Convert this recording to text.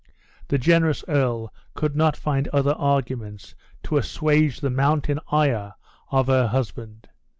The generous earl could not find other arguments to assuage the mountain ire of her husband.